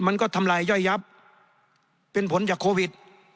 มันก็ทำลายย่อยยับเป็นผลจากโควิด